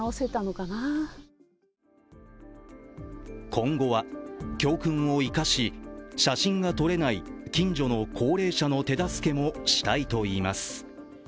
今後は教訓を生かし、写真が撮れない近所の高齢者の手助けもしたいといいます。